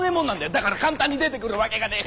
だから簡単に出てくるわけがねー。